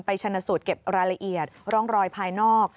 ชนะสูตรเก็บรายละเอียดร่องรอยภายนอก